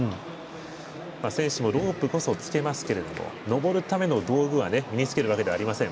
選手もロープこそつけますが登るための道具を身に着けるわけではありません。